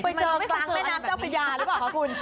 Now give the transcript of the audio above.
ไปเจอกลางแม่น้ำเจ้าพระยาหรือเปล่าคะคุณ